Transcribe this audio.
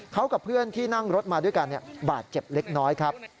เขากับเพื่อนที่นั่งรถมาด้วยกันบาดเจ็บเล็กน้อยครับ